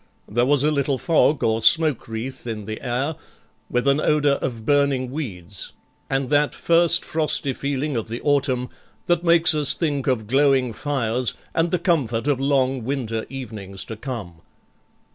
There was a little fog or smoke wreath in the air, with an odour of burning weeds, and that first frosty feeling of the autumn that makes us think of glowing fires and the comfort of long winter evenings to come.